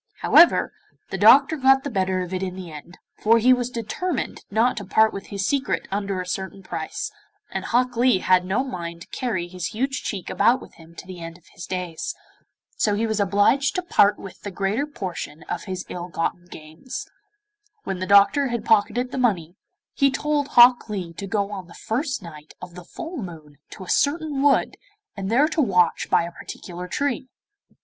However, the doctor got the better of it in the end, for he was determined not to part with his secret under a certain price, and Hok Lee had no mind to carry his huge cheek about with him to the end of his days. So he was obliged to part with the greater portion of his ill gotten gains. When the Doctor had pocketed the money, he told Hok Lee to go on the first night of the full moon to a certain wood and there to watch by a particular tree.